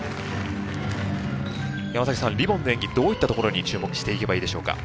どういったところに注目していけばいいでしょうか？